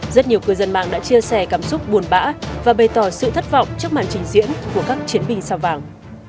rất nhiều cư dân mạng đã chia sẻ cảm xúc buồn bã và bày tỏ sự thất vọng trước màn trình diễn của các chiến binh sao vàng